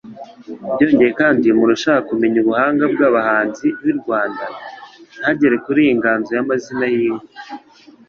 Byongeye kandi umuntu ushaka kumenya ubuhanga bw'abahanzi b'i Rwanda ntagere kuri iyi nganzo y'amazina y'inka,